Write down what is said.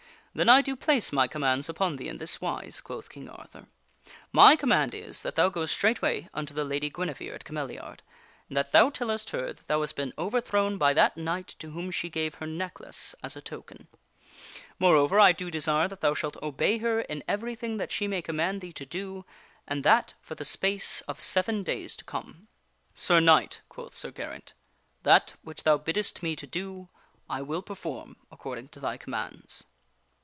" Then I do place my commands upon thee in this wise," quoth King Arthur. " My command is, that thou goest straightway unto the Lady Guinevere at Cameliard, and that thou tellest her that thou nast been overthrown by that knight to whom she gave her raint to the Lady necklace as a token. Moreover, I do desire that thou shalt obey her in everything that she may command thee to do, and that for the space of seven days to come." " Sir Knight," quoth Sir Geraint, " that which thou biddest me to do, I will perform according to thy commands."